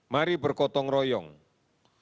baik dalam rangka menurunkan jumlah yang sakit